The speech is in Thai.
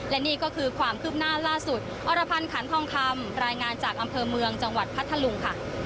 และนี่ก็คือความคืบหน้าล่าสุดอรพันธ์ขันทองคำรายงานจากอำเภอเมืองจังหวัดพัทธลุงค่ะ